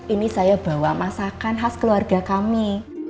ini saya bawa masakan khas keluarga kami